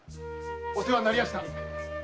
お世話になりやした。